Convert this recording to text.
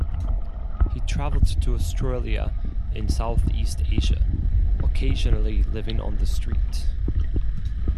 He travelled to Australia and Southeast Asia, occasionally living on the street.